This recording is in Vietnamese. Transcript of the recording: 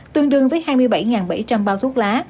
tương đương với hai mươi bảy bảy trăm linh bao thuốc lá